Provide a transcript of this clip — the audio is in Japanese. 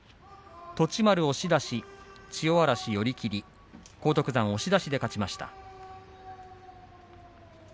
栃丸を押し出し千代嵐を寄り切り荒篤山、押し出しで勝ちました。